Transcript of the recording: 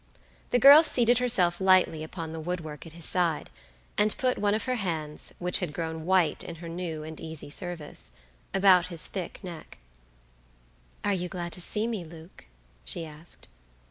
The girl seated herself lightly upon the wood work at his side, and put one of her hands, which had grown white in her new and easy service, about his thick neck. "Are you glad to see me, Luke?" she asked.